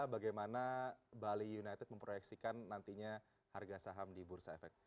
bagaimana bali united memproyeksikan nantinya harga saham di bursa efek